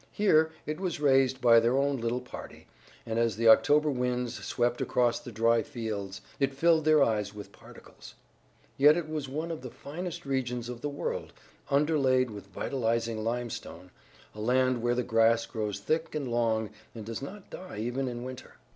Here it was raised by their own little party, and as the October winds swept across the dry fields it filled their eyes with particles. Yet it was one of the finest regions of the world, underlaid with vitalizing limestone, a land where the grass grows thick and long and does not die even in winter.